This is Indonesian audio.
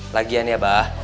lagian ya ba